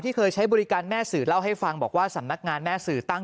เคยใช้บริการแม่สื่อเล่าให้ฟังบอกว่าสำนักงานแม่สื่อตั้ง